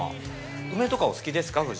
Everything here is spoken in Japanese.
梅とかお好きですか、夫人。